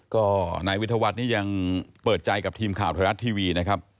ก็นายวิทยาวัฒน์นี่ยังเปิดใจกับทีมข่าวไทยรัฐทีวีนะครับ